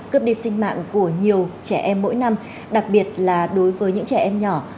cướp đi sinh mạng của nhiều trẻ em mỗi năm đặc biệt là đối với những trẻ em nhỏ